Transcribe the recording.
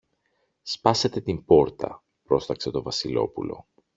Σπάσετε την πόρτα, πρόσταξε το Βασιλόπουλο.